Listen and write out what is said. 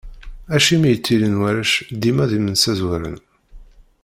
Acimi i ttilin warrac dima d inemsazwaren?